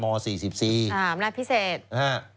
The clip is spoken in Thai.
อ๋ออำนาจพิเศษ